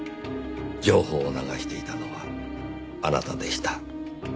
情報を流していたのはあなたでした。